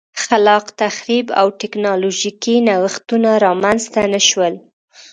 خلاق تخریب او ټکنالوژیکي نوښتونه رامنځته نه شول